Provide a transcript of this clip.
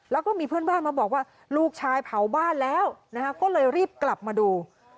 แล้วก็มีเพื่อนบ้านมาบอกว่าลูกชายเผาบ้านแล้วก็เลยรีบกลับมาดู